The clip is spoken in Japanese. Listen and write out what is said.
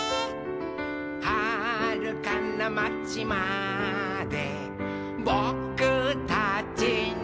「はるかなまちまでぼくたちの」